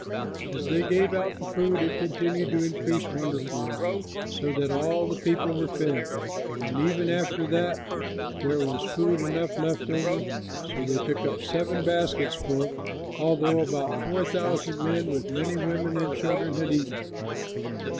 As they gave out the food it continued to increase wonderfully, so that all the people were fed; and even after that there was food enough left so that they took up seven baskets full, although about four thousand men, with many women and children, had eaten.